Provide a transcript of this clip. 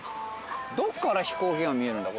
どっから飛行機が見えるんだ？